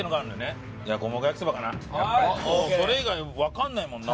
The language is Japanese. それ以外わかんないもんな。